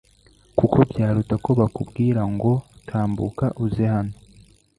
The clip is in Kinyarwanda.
kuko byaruta ko bakubwira ngo «Tambuka uze hano